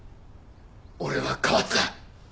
俺は変わった！